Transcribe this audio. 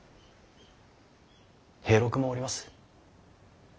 平六もおります。